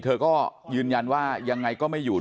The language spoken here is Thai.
เธอก็ยืนยันว่ายังไง